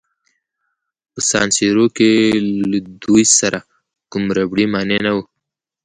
په سان سیرو کې له دوی سره کوم ربړي مانع نه وو.